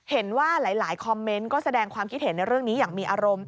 เห็นว่าหลายคอมเมนต์ก็แสดงความคิดเห็นในเรื่องนี้อย่างมีอารมณ์